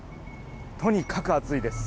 とにかく暑いです。